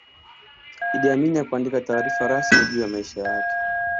iddi amin hakuandika taarifa rasmi juu ya maisha yake